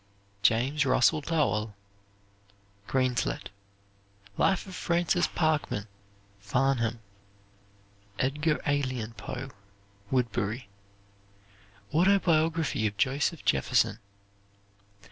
"James Russell Lowell," Greenslet. "Life of Francis Parkman," Farnham. "Edgar Alien Poe," Woodberry. Autobiography of Joseph Jefferson.